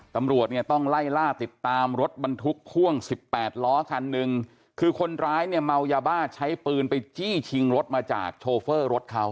ตำรวจเนี่ยต้องไล่ล่าติดตามรถบรรทุกพ่วงสิบแปดล้อคันหนึ่งคือคนร้ายเนี่ยเมายาบ้าใช้ปืนไปจี้ชิงรถมาจากโชเฟอร์รถเขา